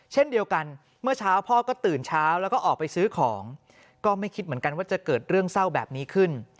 เช่นเดียวกันเมื่อเช้าพ่อก็ตื่นเช้าแล้วก็ออกไปซื้อของก็ไม่คิดเหมือนกันว่าจะเกิดเรื่องเศร้าแบบนี้ขึ้น